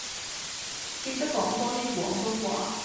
記得講多啲廣東話